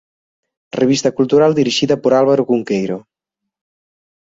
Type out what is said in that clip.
Revista cultural dirixida por Álvaro Cunqueiro.